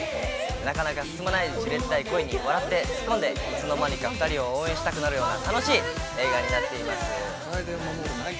なかなか進まないじれったい恋に笑って、突っ込んで、いつの間にか２人を応援したくなるような楽しい映画です！